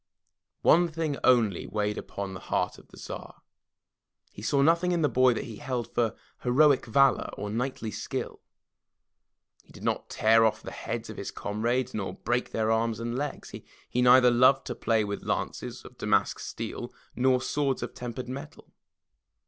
One thing only weighed upon the heart of the Tsar; he saw nothing in the boy that he held for heroic valor or knightly skill. He did not tear off the heads of his comrades, nor break their arms and legs; he neither loved to play with lances of damask steel, nor swords of tempered metal.